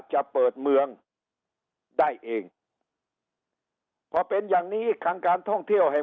จะเปิดเมืองได้เองพอเป็นอย่างนี้ทางการท่องเที่ยวแห่ง